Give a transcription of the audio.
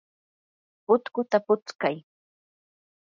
utkuta putskay.